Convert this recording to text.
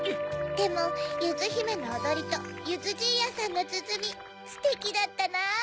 でもゆずひめのおどりとゆずじいやさんのつづみステキだったな。